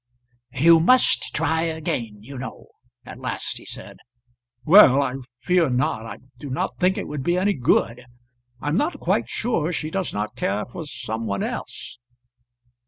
"You must try again, you know," at last he said. "Well; I fear not. I do not think it would be any good. I'm not quite sure she does not care for some one else."